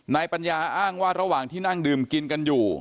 ปัญญาอ้างว่าระหว่างที่นั่งดื่มกินกันอยู่